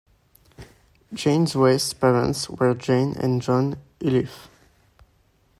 Jane West's parents were Jane and John Iliffe.